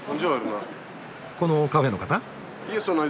このカフェの方？